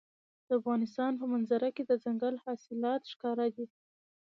د افغانستان په منظره کې دځنګل حاصلات ښکاره دي.